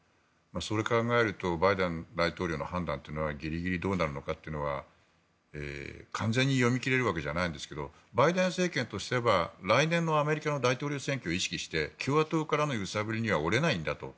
それを考えるとバイデン大統領の判断というのはギリギリどうなるのかというのは完全に読み切れるわけじゃないんですがバイデン政権とすれば、来年のアメリカの大統領選挙を意識して共和党からの揺さぶりには折れないんだと。